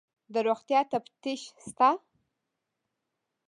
د روغتیا تفتیش شته؟